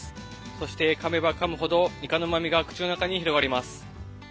そしてかめばかむほど、イカのうまみが口の中に広がります。